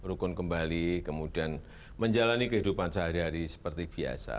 rukun kembali kemudian menjalani kehidupan sehari hari seperti biasa